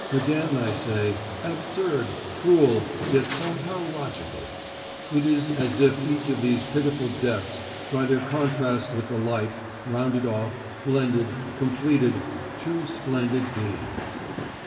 Again I say: absurd, cruel, yet somehow logical. It is as if each of these pitiful deaths by their contrast with the life, rounded off, blended, completed, two splendid beings.